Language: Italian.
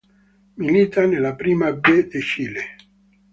Milita nella Primera B de Chile.